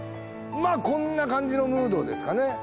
まあこんな感じのムードですかね